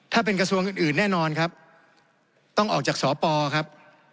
ถ้าเป็นกระทรวงอื่นแน่นอนครับต้องออกจากสปครับ